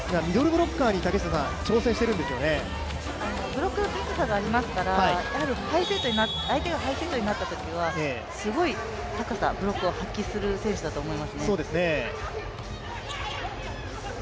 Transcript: ブロックする高さがありますから、相手がハイセットになったときはすごい高さ、ブロックを発揮する選手だと思いますね。